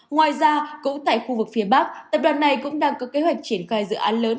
ngoài ra cũng tại khu vực phía bắc tập đoàn này cũng đang có kế hoạch triển khai dự án lớn